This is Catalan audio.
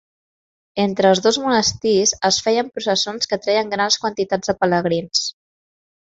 Entre els dos monestirs es feien processons que atreien grans quantitats de pelegrins.